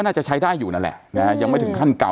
น่าจะใช้ได้อยู่นั่นแหละนะฮะยังไม่ถึงขั้นเก่า